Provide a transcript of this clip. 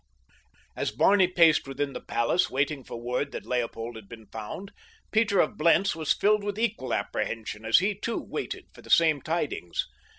As Barney paced within the palace, waiting for word that Leopold had been found, Peter of Blentz was filled with equal apprehension as he, too, waited for the same tidings.